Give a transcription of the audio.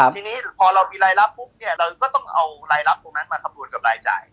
ทีนี้พอเรามีรายรับปุ๊บเนี่ยเราก็ต้องเอารายรับตรงนั้นมาคำนวณกับรายจ่าย